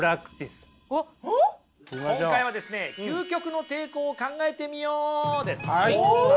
今回はですね「究極の抵抗を考えてみよう！」です。